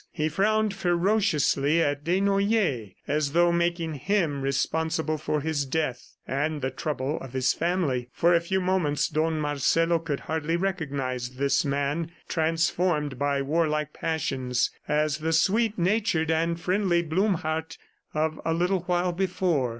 He frowned ferociously at Desnoyers as though making him responsible for his death and the trouble of his family. For a few moments Don Marcelo could hardly recognize this man, transformed by warlike passions, as the sweet natured and friendly Blumhardt of a little while before.